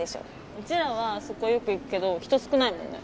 うちらはあそこよく行くけど人少ないもんね。